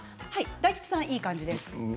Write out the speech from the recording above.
大吉さん、いい感じです。